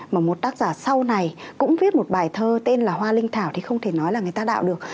mà một tác giả sau này cũng viết một bài thơ tên là hoa linh thảo thì không thể nói là người ta đạo được